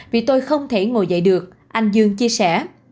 vì tôi không thể ngồi dậy được anh dương chia sẻ